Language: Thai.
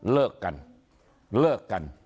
เลิกกันเลิกกัน